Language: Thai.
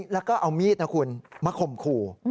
แล้วก็เอามีดนะคุณมาข่มขู่